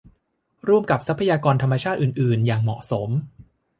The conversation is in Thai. ร่วมกับทรัพยากรธรรมชาติอื่นอื่นอย่างเหมาะสม